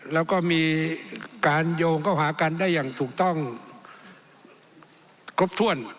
แล้วก็มีการโยงเข้าหากันได้อย่างถูกต้องครบถ้วน